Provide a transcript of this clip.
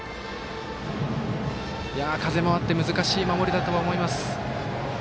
風もあって難しい守りだとは思います。